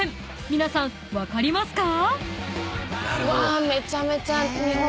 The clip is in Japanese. ［皆さん分かりますか？］